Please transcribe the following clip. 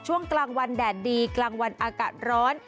ช่วงกลางวันแดดดีกลางวันอากาศร้อน